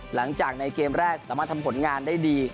หลังจากในเกมแรกสามารถทำผลงานได้ดี